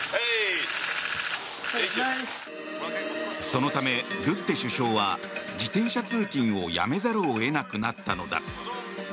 そのためルッテ首相は自転車通勤をやめざるを得なくなったのだ。